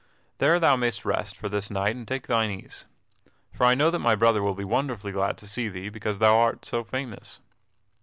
There thou mayst rest for this night and take thine ease. For I know that my brother will be wonderfully glad to see thee because thou art so famous."